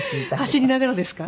走りながらですか？